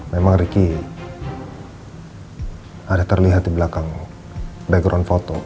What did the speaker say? memang ricky ada terlihat di belakang background foto